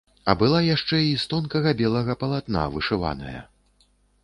А была яшчэ і з тонкага белага палатна, вышываная.